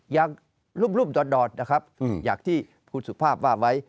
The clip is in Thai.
อย่างรุ่มดอดนะครับอย่างที่คุณสุภาพว่าไว้